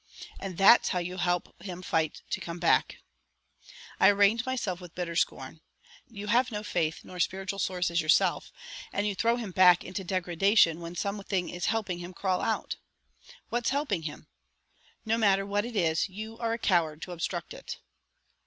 "And that's how you help him fight to come back," I arraigned myself with bitter scorn. "You have no faith nor spiritual sources yourself, and you throw him back into degradation when something is helping him crawl out. What's helping him? No matter what it is, you are a coward to obstruct it."